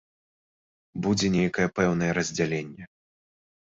Будзе нейкае пэўнае раздзяленне.